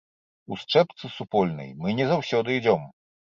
У счэпцы супольнай мы не заўсёды ідзём.